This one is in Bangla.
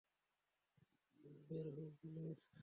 বের হও, প্লীজ।